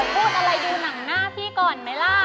พูดอะไรดูหนังหน้าพี่ก่อน